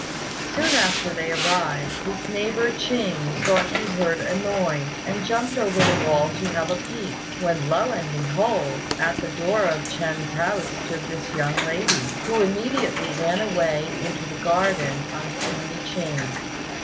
Soon after they arrived, his neighbour Ching thought he heard a noise, and jumped over the wall to have a peep, when lo and behold! at the door of Ch'ên's house stood this young lady, who immediately ran away into the garden on seeing Ching.